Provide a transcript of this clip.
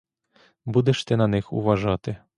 Будеш ти на них уважати!